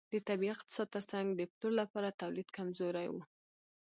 د طبیعي اقتصاد ترڅنګ د پلور لپاره تولید کمزوری و.